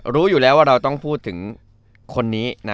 รู้อยู่แล้วว่าเราต้องพูดถึงคนนี้